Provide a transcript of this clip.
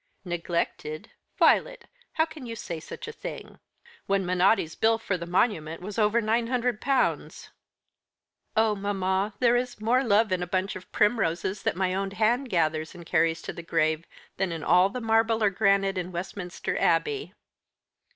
"Neglected, Violet! How can you say such a thing? When Manotti's bill for the monument was over nine hundred pounds." "Oh, mamma, there is more love in a bunch of primroses that my own hand gathers and carries to the grave than in all the marble or granite in Westminster Abbey."